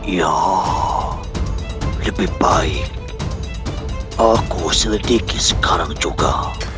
ya lebih baik aku selidiki sekarang juga